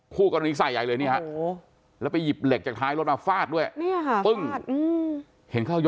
ผู้กรณีใส่แล้วไปหยิบเหล็กจากท้ายรถมาฝาดด้วย